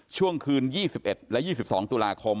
ช่วงคืน๒๑และ๒๒ตุลาคม